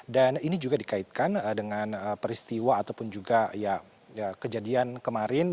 dan ini juga dikaitkan dengan peristiwa ataupun juga kejadian kemarin